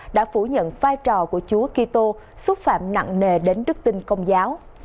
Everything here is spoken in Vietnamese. đã phủ nhận vai trò của chú kito xúc phạm nặng nề đến đức tinh công giáo